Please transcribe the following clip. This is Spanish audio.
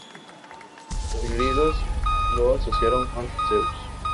Los griegos lo asociaron con Zeus.